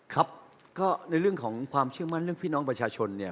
ครับก็ในเรื่องของความเชื่อมั่นเรื่องพี่น้องประชาชนเนี่ย